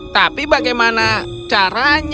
tapi bagaimana sekarang